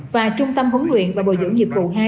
và trung tâm huấn luyện và bồi dưỡng nghiệp vụ hai